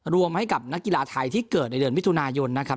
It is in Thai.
รวมให้กับนักกีฬาไทยที่เกิดในเดือนมิถุนายนนะครับ